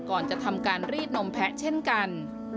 ก่อนจะทำการรีดนมแพะเช่นกัน